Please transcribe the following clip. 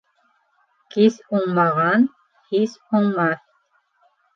Кис уңмаған һис уңмаҫ.